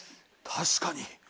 確かに。